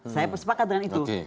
saya sepakat dengan itu